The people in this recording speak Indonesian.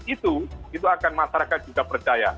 itu itu akan masyarakat juga percaya